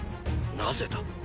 なぜだ？